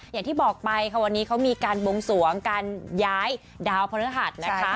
อย่างที่บอกไปค่ะวันนี้เขามีการบวงสวงการย้ายดาวพระฤหัสนะคะ